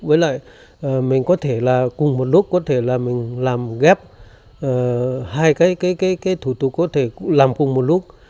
với lại mình có thể là cùng một lúc có thể là mình làm ghép hai cái thủ tục có thể làm cùng một lúc